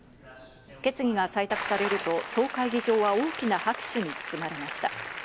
決議が採択されると総会議場は大きな拍手に包まれました。